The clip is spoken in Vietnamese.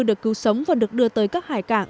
được cứu sống và được đưa tới các hải cảng